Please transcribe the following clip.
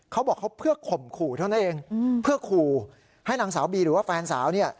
เขาบอกเขาเพื่อข่มขู่เท่านั้นเองเพื่อขู่ให้นางสาวบีหรือว่าแฟนสาวเนี่ย